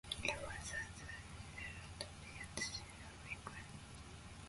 It follows that the angles at B and C are equal.